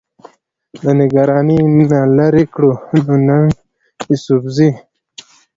د نګرانۍ نه لرې کړو، نو ننګ يوسفزۍ